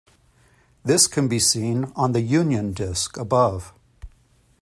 This can be seen on the Union disk above.